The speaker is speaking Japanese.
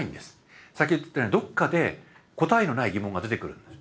先ほど言ったようにどっかで答えのない疑問が出てくる。